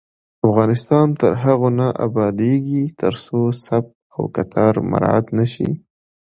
افغانستان تر هغو نه ابادیږي، ترڅو صف او کتار مراعت نشي.